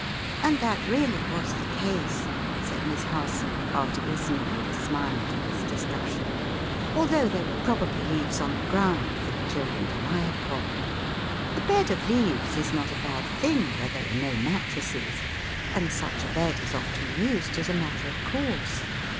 "And that really was the case," said Miss Harson, after listening with a smile to this discussion, "although there were probably leaves on the ground for the children to lie upon. A bed of leaves is not a bad thing where there are no mattresses, and such a bed is often used as a matter of course.